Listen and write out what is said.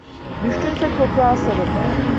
Düştünse toprağa sarıl.